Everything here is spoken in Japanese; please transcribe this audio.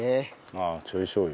ああちょいしょう油？